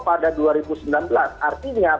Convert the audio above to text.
pada dua ribu sembilan belas artinya